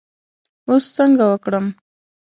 اوس څنګه وکړم.